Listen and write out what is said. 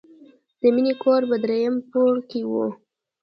د مینې کور په دریم پوړ کې و